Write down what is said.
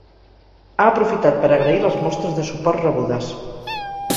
Ha aprofitat per agrair les mostres de suport rebudes.